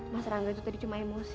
mas rangga itu tadi cuma emosi